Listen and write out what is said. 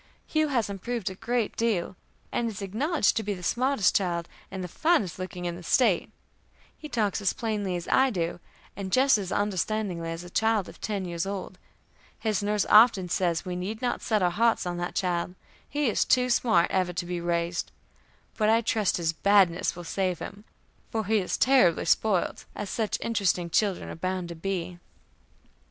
Hugh has improved a great deal, and is acknowledged to be the smartest child and the finest looking in the State; he talks as plainly as I do, and just as understandingly as a child of ten years old; his nurse often says we need not set our hearts on that child, he is too smart ever to be raised; but I trust his badness will save him, for he is terribly spoilt, as such interesting children are bound to be.